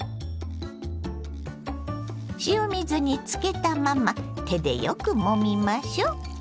塩水につけたまま手でよくもみましょう。